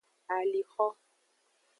Alixo.